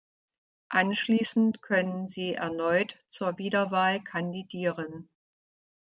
Anschließend können sie erneut zur Wiederwahl kandidieren.